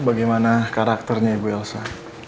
bagaimana karakternya ibu elsa